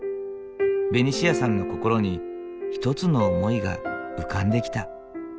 ベニシアさんの心に一つの思いが浮かんできた。